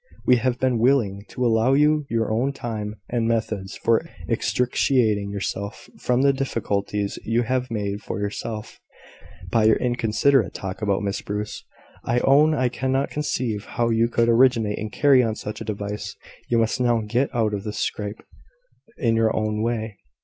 We have been willing to allow you your own time and methods for extricating yourself from the difficulties you have made for yourself by your inconsiderate talk about Miss Bruce. I own I cannot conceive how you could originate and carry on such a device. You must now get out of the scrape in your own way."